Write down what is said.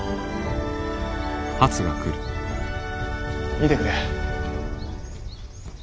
見てくれ。